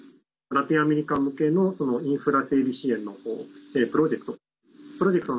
ラテンアメリカ向けのインフラ整備支援のプロジェクト。